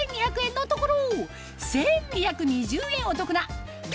のところ。